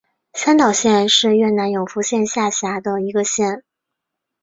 三岛县是越南永福省下辖的一个县。